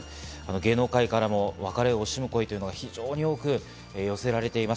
芸能界からも別れを惜しむ声が非常に多く寄せられています。